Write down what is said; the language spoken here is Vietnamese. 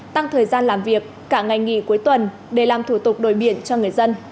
tăng thời gian làm việc cả ngày nghỉ cuối tuần để làm thủ tục đổi biển cho người dân